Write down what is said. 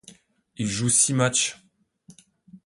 Il joue six matchs.